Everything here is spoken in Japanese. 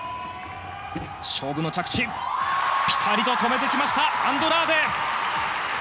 勝負の着地ピタリと止めてきたアンドラーデ！